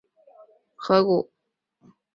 他们是从南边波托马克河进入这个河谷的。